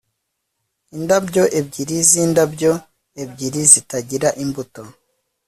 indabyo ebyiri zindabyo ebyiri zitagira imbuto